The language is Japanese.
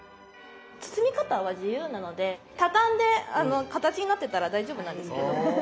包み方は自由なので畳んで形になってたら大丈夫なんですけど。